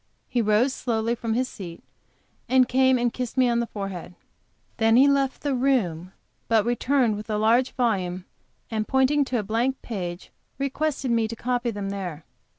He rose slowly from his seat, and came and kissed me on the forehead. Then he left the room, but returned with a large volume, and pointing to a blank page, requested me to copy them there.